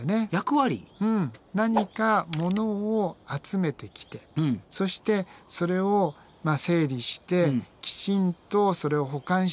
うん何かものを集めてきてそしてそれを整理してきちんとそれを保管していく。